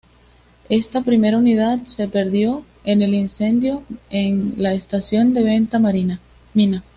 Esta primera unidad se perdió en un incendio en la estación de Venta Mina.